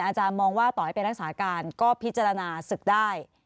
อาจารย์มองว่าต่อให้ไปรักษาการก็พิจารณาศึกได้